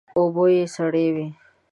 اوبه یې سړې وې.